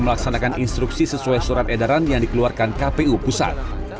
melaksanakan instruksi sesuai surat edaran yang dikeluarkan kpu pusat